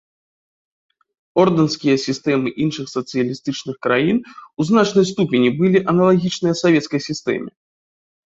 Ордэнскія сістэмы іншых сацыялістычных краін у значнай ступені былі аналагічныя савецкай сістэме.